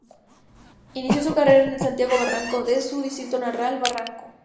Inició su carrera en el Santiago Barranco de su distrito natal, Barranco.